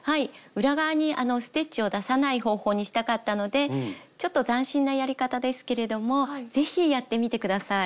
裏側にステッチを出さない方法にしたかったのでちょっと斬新なやり方ですけれどもぜひやってみてください。